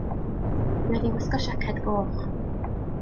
Mi oedd hi'n gwisgo siaced goch.